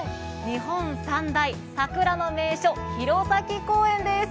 日本三大桜の名所、弘前公園です。